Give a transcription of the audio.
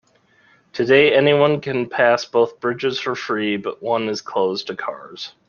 Today, anyone can pass both bridges for free, but one is closed to cars.